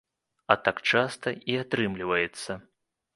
А так часта і атрымліваецца.